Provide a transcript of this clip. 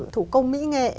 thủ công mỹ nghệ